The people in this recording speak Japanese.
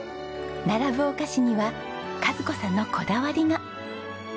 並ぶお菓子には和子さんのこだわりが。